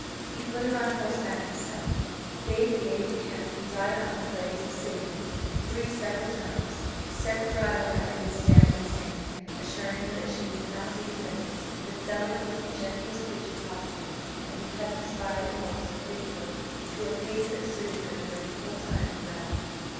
He put her on horseback himself, bade the aide de camp ride on with Lady Cecilia three several times set the bridle right in Miss Stanley's hand, assuring her that she need not be afraid, that Zelica was the gentlest creature possible, and he kept his fiery horse, Fleetfoot, to a pace that suited her during the whole time they were out.